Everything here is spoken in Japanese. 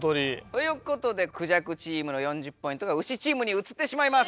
ということでクジャクチームの４０ポイントがウシチームにうつってしまいます。